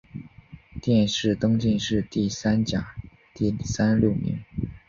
殿试登进士第三甲第三十六名。